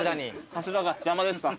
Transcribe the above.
柱が邪魔でした。